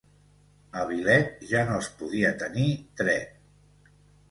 A Vilet ja no es podia tenir dret.